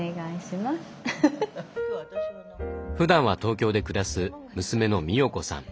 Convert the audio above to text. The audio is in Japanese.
ふだんは東京で暮らす娘のみおこさん。